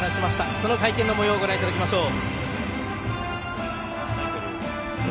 その会見のもようをご覧いただきましょう。